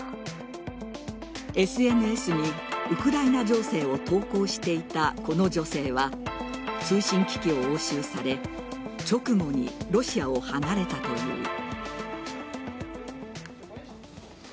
ＳＮＳにウクライナ情勢を投稿していたこの女性は通信機器を押収され直後にロシアを離れたという。